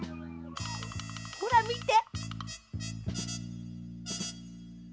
ほらみて！